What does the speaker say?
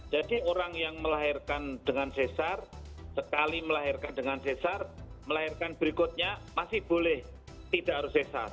jadi orang yang melahirkan dengan cesar sekali melahirkan dengan cesar melahirkan berikutnya masih boleh tidak harus cesar